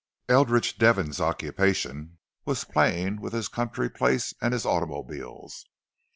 Eldridge Devon's occupation was playing with his country place and his automobiles.